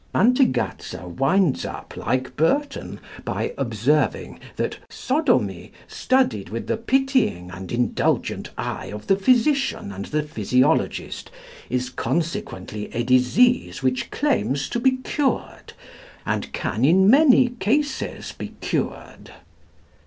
Mantegazza winds up, like Burton, by observing that "sodomy, studied with the pitying and indulgent eye of the physician and the physiologist, is consequently a disease which claims to be cured, and can in many cases be cured."